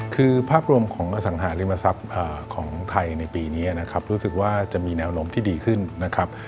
คือภาพรวมของอสังหาริมทรัพย์ของไทยในปีนี้นะครับรู้สึกว่าจะมีแนวโน้มที่ดีขึ้นนะครับ